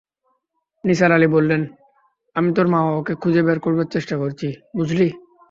নিসার আলি বললেন, আমি তোর বাবা-মাকে খুঁজে বের করবার চেষ্টা করছি, বুঝলি?